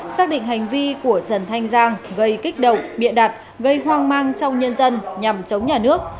xác định hành vi của trần thanh giang gây kích động bịa đặt gây hoang mang trong nhân dân nhằm chống nhà nước